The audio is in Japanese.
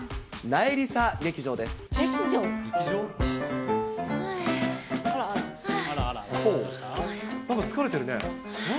なんか疲れてるね。